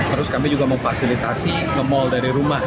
terus kami juga memfasilitasi nge mall dari rumah